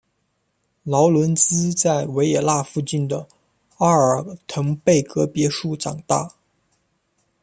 劳伦兹在维也纳附近的阿尔滕贝格别墅长大。